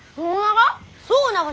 そうなが！？